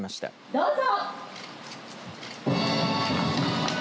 どうぞ。